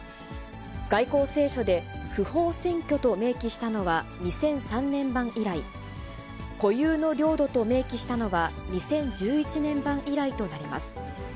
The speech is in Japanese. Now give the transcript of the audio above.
外交青書で不法占拠と明記したのは２００３年版以来、固有の領土と明記したのは２０１１年版以来となります。